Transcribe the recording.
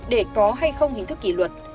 để có hay không hình thức kỷ luật